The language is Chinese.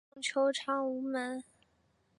民众求偿无门